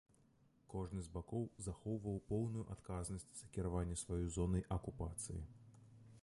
Кожны з бакоў захоўваў поўную адказнасць за кіраванне сваёй зонай акупацыі.